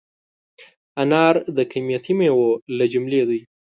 انار د قیمتي مېوو له جملې دی.